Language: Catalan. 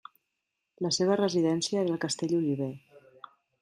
La seva residència era el Castell Oliver.